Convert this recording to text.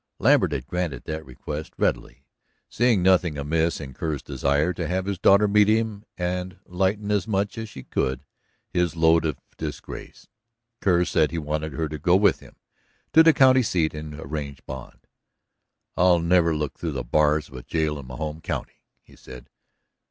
Lambert had granted that request readily, seeing nothing amiss in Kerr's desire to have his daughter meet him and lighten as much as she could his load of disgrace. Kerr said he wanted her to go with him to the county seat and arrange bond. "I'll never look through the bars of a jail in my home county," he said.